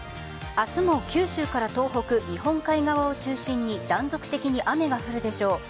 明日も九州から東北日本海側を中心に断続的に雨が降るでしょう。